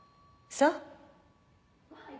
そう。